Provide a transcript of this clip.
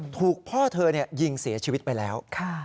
ถูกพ่อเธอยิงเสียชีวิตไปแล้ว